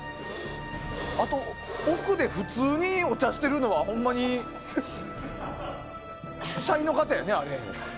あと、奥で普通にお茶をしているのはほんまに社員の方やね、あれ。